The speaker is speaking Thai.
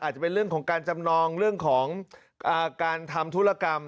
จะเป็นเรื่องของการจำนองเรื่องของการทำธุรกรรม